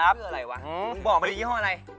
นี่เสื้ออะไรวะมึงบอกมายี่ห้ออะไร